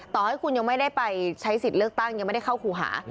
ต่อให้คุณยังไม่ได้ไปใช้สิทธิ์เลือกตั้งยังไม่ได้เข้าครูหา